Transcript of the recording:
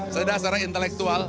pertama kecerdasan intelektual